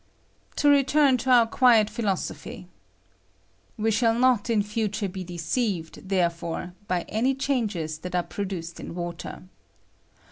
To return to our quiet philosophy. We shall not in future be deceived, therefore, by any changes that are produced in water.